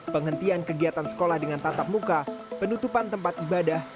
penghentian kegiatan sekolah dengan tatap muka penutupan tempat ibadah